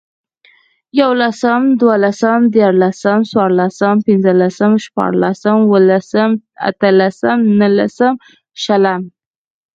ېولسم، دولسم، ديارلسم، څوارلسم، پنځلسم، شپاړسم، اوولسم، اتلسم، نولسم، شلم